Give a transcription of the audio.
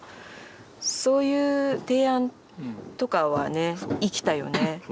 そういう提案とかはね生きたよね？